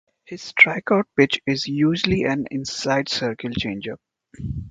His strikeout pitch is usually an inside circle changeup.